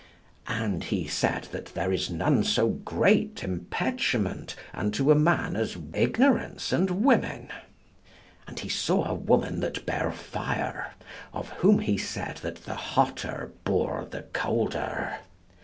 And he said that there is none so great empechement unto a man as ignorance and women. And he saw a woman that bare fire, of whom he said that the hotter bore the colder.